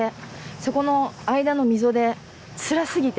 そこの間の溝で、つらすぎて。